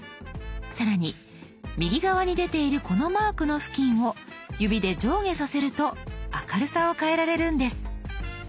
更に右側に出ているこのマークの付近を指で上下させると明るさを変えられるんです。